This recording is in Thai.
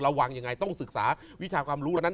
เราวางยังไงต้องศึกษาวิชากรรมรู้